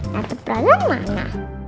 tante prosen mana